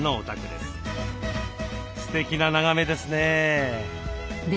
すてきな眺めですね。